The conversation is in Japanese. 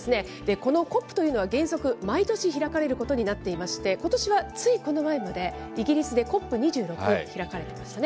このＣＯＰというのは原則、毎年開かれることになっていまして、ことしはついこの前までイギリスでＣＯＰ２６、開かれてましたね。